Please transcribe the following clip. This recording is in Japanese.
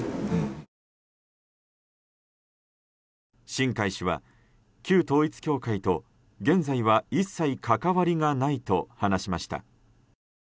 新開氏は、旧統一教会と現在は一切関わりがないと話しました。